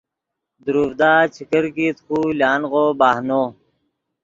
دروڤدا چے کرکیت خو لانغو بہنو